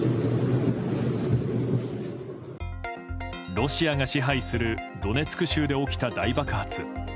ロシアが支配するドネツク州で起きた大爆発。